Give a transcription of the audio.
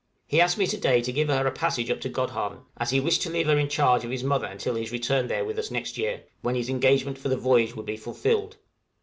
He asked me to day to give her a passage up to Godhavn, as he wished to leave her in charge of his mother until his return there with us next year, when his engagement for the voyage would be fulfilled.